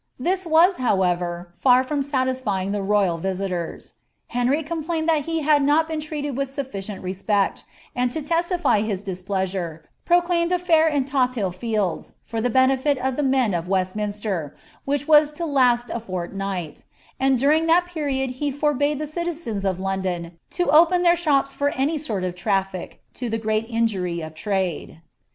This was, however, fiur from satisfying the royal visitors. Henry com plained that he had not been treated with sufficient respect, and to testify his displeasure, proclaimed a fair in Tothill fields, for the benefit of the men of Westminster, which was to last a fortnight; and during that period he forbade the citizens of London to open their shops for any sort of traffic, to the great injury of trade.